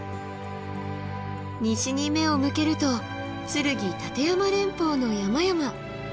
西に目を向けると剱・立山連峰の山々。